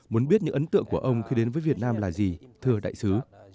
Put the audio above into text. muốn biết những ấn tượng của ông khi đến với việt nam là gì thưa đại sứ